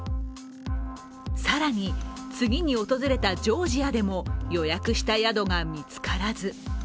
更に、次に訪れたジョージアでも予約した宿が見つからず。